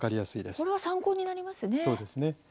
これは参考になりますね。